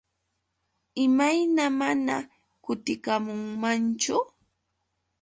¿Imayna mana kutikamunmanchu?